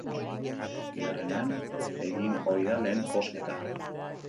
Bigarrenean egin ohi da lehen bozketa.